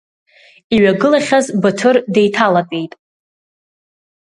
Иҩагылахьаз Баҭыр деиҭалатәеит.